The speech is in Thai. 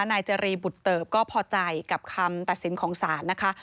นายจรีบุตเติบก็พอใจกับคำตัดสินของศาลนะคะ